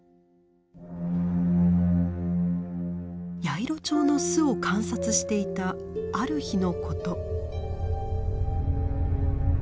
ヤイロチョウの巣を観察していたある日のこと。